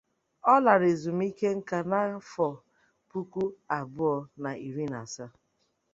Ọ lara ezumike nká na afọ puku abụọ na iri na asaa.